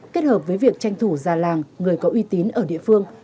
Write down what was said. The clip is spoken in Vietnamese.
kết hợp với việc tranh thủ già làng người có uy tín ở địa phương